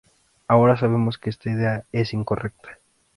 Ahora sabemos que esta idea es incorrecta.